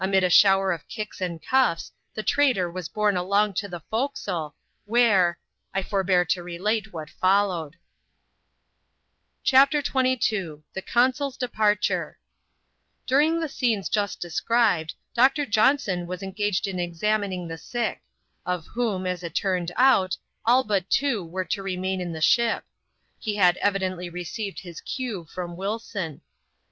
Amid a shower of kicks ind cuffs, the traitor was borne along to the forecastle, where— ] forbear to relate what foUowed. G 2 84 ADVENTURES IN THE SOUTH SEAS. [chap, xm CHAPTER XXn. The Consul's Departure. During the scenes just described, Doctor Johnson was engaged in examining the sick ; of whom, as it turned out, all but two were to remain in the ship. He had evidently received his cue from Wilson.